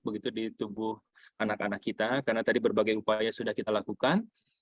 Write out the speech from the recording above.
begitu di tubuh anak anak kita karena tadi berbagai upaya sudah kita lakukan